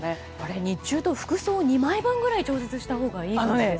日中と服装２枚分くらい調節したほうがいいですね。